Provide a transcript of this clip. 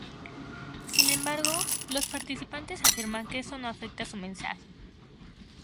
Sin embargo, los participantes afirman que esto no afecta su mensaje.